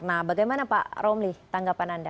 nah bagaimana pak romli tanggapan anda